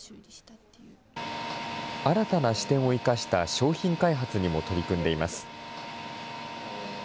新たな視点を生かした商品開発にも取り組んでいます。